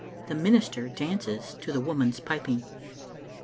THE MINISTER DANCES TO THE WOMAN'S PIPING.